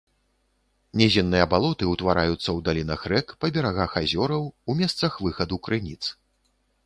Нізінныя балоты ўтвараюцца ў далінах рэк, па берагах азёраў, у месцах выхаду крыніц.